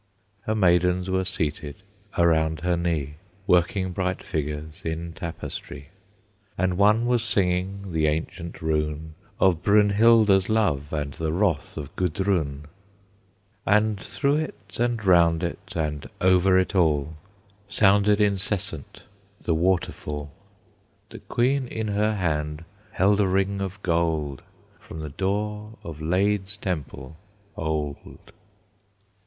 Her maidens were seated around her knee, Working bright figures in tapestry. And one was singing the ancient rune Of Brynhilda's love and the wrath of Gudrun. And through it, and round it, and over it all Sounded incessant the waterfall. The Queen in her hand held a ring of gold, From the door of LadÈ's Temple old.